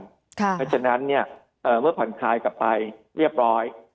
เพราะฉะนั้นเมื่อผ่อนคลายกลับไปเรียบร้อย